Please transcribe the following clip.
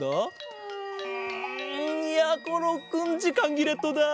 うんやころくんじかんぎれットだ。